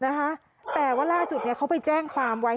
นะคะแต่ว่าล่าสุดเนี่ยเขาไปแจ้งความไว้